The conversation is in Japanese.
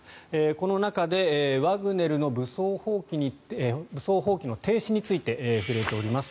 この中でワグネルの武装蜂起の停止について触れております。